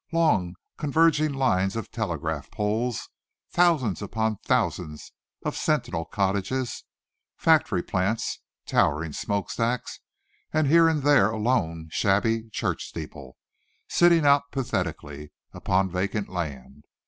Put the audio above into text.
Long, converging lines of telegraph poles; thousands upon thousands of sentinel cottages, factory plants, towering smoke stacks, and here and there a lone, shabby church steeple, sitting out pathetically upon vacant land.